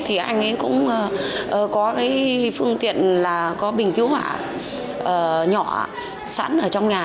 thì anh ấy cũng có cái phương tiện là có bình cứu hỏa nhỏ sẵn ở trong nhà